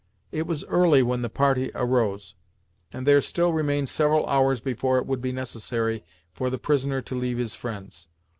It was early when the party arose, and there still remained several hours before it would be necessary for the prisoner to leave his friends.